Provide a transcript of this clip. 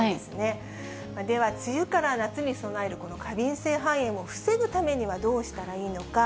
では、梅雨から夏に備えるこの過敏性肺炎を防ぐためにはどうしたらいいのか。